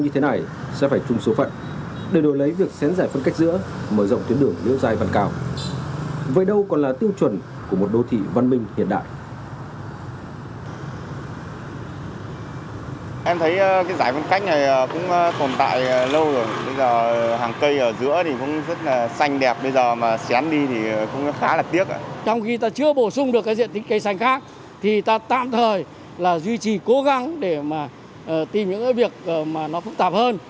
thì ta tạm thời là duy trì cố gắng để mà tìm những cái việc mà nó phức tạp hơn